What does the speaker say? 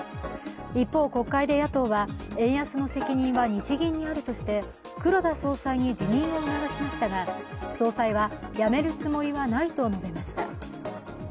一方、国会で野党は円安の責任は日銀にあるとして黒田総裁に辞任を促しましたが総裁は、辞めるつもりはないと述べました。